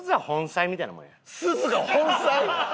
すずが本妻？